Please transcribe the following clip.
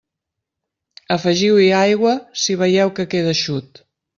Afegiu-hi aigua si veieu que queda eixut.